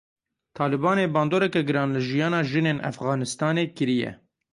Talibanê bandoreke giran li jiyana jinên Efxanistanê kiriye.